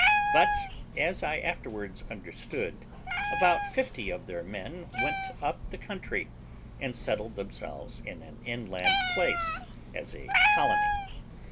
But, as I afterwards understood, about fifty of their men went up the country, and settled themselves in an inland place as a colony.